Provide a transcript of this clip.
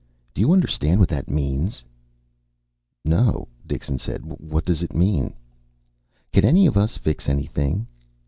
Do you understand what that means?" "No," Dixon said. "What does it mean?" "Can any of us fix anything?